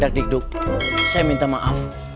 dagdikduk saya minta maaf